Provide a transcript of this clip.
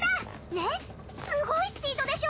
ねっすごいスピードでしょ。